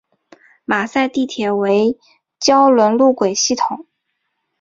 马赛地铁为胶轮路轨系统。